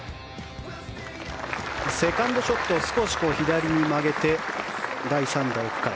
セカンドショット少し左に曲げて第３打を奥から。